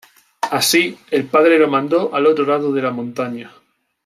Así, el padre lo mandó al otro lado de la montaña.